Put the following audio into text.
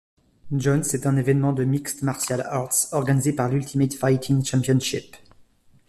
Jones est un événement de mixed martial arts organisé par l'Ultimate Fighting Championship.